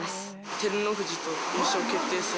照ノ富士との優勝決定戦。